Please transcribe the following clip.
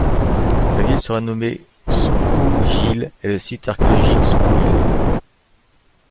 La ville serait nommée Xpujil et le site archéologique Xpuhil.